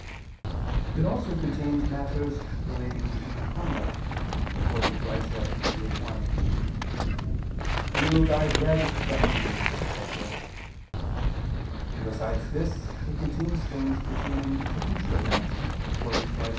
It also contains matters relating to human conduct, according to Isa. 58:1, "Deal thy bread to the hungry," etc.; and besides this it contains things pertaining to future events, according to Isa.